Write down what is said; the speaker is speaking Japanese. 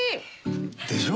でしょ？